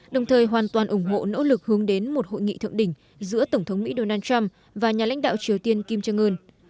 đồng thời hoàn toàn ủng hộ nỗ lực hướng đến một hội nghị thượng đỉnh giữa tổng thống mỹ donald trump và nhà lãnh đạo triều tiên kim jong un